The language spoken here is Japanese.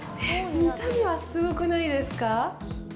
見た目がすごくないですか？